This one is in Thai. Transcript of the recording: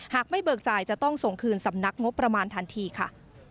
ไม่เบิกจ่ายจะต้องส่งคืนสำนักงบประมาณทันทีค่ะ